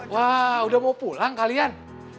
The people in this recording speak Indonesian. wah udah mau pulang kalian